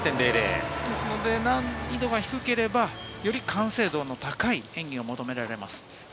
難易度が低ければより完成度の高い演技が求められます。